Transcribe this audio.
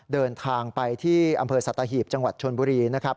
เดินทางไปที่อำเภอสัตหีบจังหวัดชนบุรีนะครับ